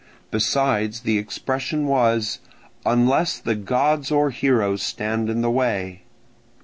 Besides, the expression was, "unless the gods or heroes stand in the way."